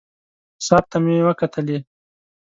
ساعت ته مې وکتلې.